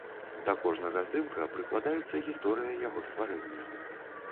Да кожнага здымка прыкладаецца гісторыя яго стварэння.